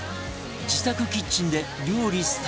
自宅キッチンで料理スタート